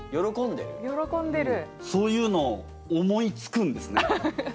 そういうの思いつくんですね。